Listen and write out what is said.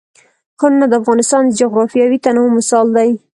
ښارونه د افغانستان د جغرافیوي تنوع مثال دی.